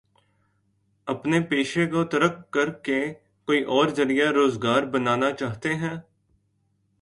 اپنے پیشے کو ترک کر کے کوئی اور ذریعہ روزگار بنانا چاہتے ہیں؟